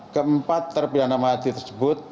keempat terpilihan amatir tersebut